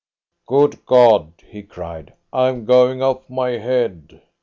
"Good God!" he cried, "I am going off my head."